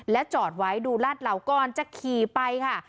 และจอดไว้ดูราดรัวก็จะขี่ไปค่ะ